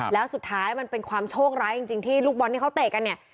แล้วสุดท้ายมันเป็นความโชคร้ายจริงที่ลูกบอลที่เขาเตะกันเนี่ย